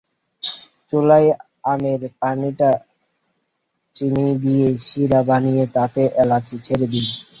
চুলায় আমের পানিটাতে চিনি দিয়ে শিরা বানিয়ে তাতে এলাচি ছেড়ে দিন।